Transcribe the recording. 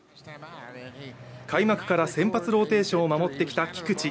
開幕から先発ローテーションを守ってきた菊池。